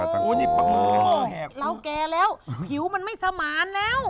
แล้วแกแล้วผิวมันไม่สมาญแล้ว